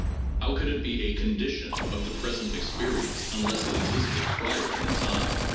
How could it be a condition of the present experience unless it existed prior in time